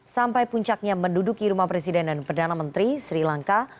sampai puncaknya menduduki rumah presiden dan perdana menteri sri lanka